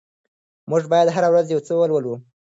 موږ بايد هره ورځ يو څه ولولو.